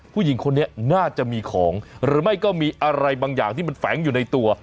ผู้หญิงคนนี้น่าจะมีของหรือไม่ก็มีอะไรบางอย่างที่มันแฝงอยู่ในตัว